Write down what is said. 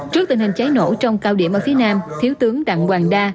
trước tình hình cháy nổ trong cao điểm ở phía nam thiếu tướng đặng hoàng đa